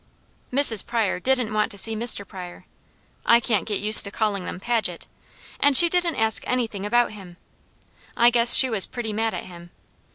Mrs. Pryor didn't want to see Mr. Pryor I can't get used to calling them Paget and she didn't ask anything about him. I guess she was pretty mad at him.